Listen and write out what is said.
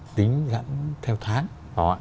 tính gắn theo tháng